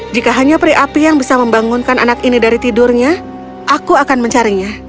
jika hanya peri api yang bisa membangunkan anak ini dari tidurnya aku akan mencarinya